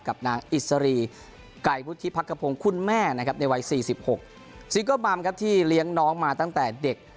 กับนางอิศรีไก่พุทธิภักโคพงคุณแม่นะครับในวัยสี่สิบหกซีกอบบัมครับที่เลี้ยงน้องมาตั้งแต่เด็ก